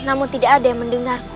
namun tidak ada yang mendengar